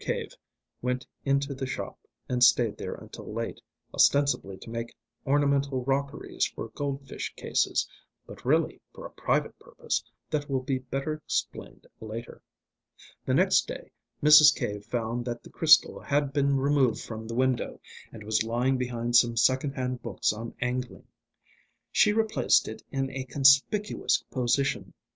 Cave went into the shop, and stayed there until late, ostensibly to make ornamental rockeries for goldfish cases but really for a private purpose that will be better explained later. The next day Mrs. Cave found that the crystal had been removed from the window, and was lying behind some second hand books on angling. She replaced it in a conspicuous position.